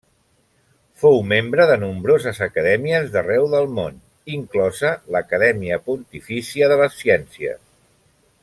Fou membre de nombroses acadèmies d'arreu del món, inclosa l'Acadèmia Pontifícia de les Ciències.